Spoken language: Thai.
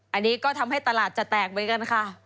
อันนี้ก็ทำให้ตลาดจะแตกเหมือนกันค่ะ